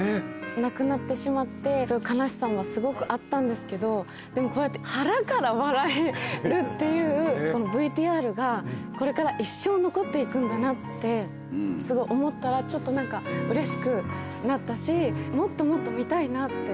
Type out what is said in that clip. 亡くなってしまって悲しさもすごくあったんですけどでもこうやって腹から笑えるっていうＶＴＲがこれから一生残って行くんだなって思ったらちょっと何かうれしくなったしもっともっと見たいなって。